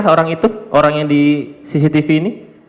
orang itu orang yang di cctv ini